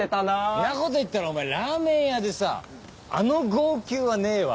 んなこと言ったらお前ラーメン屋でさあの号泣はねえわ。